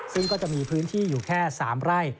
ซึ่งก็จะมีพื้นที่อยู่แค่๓ไร่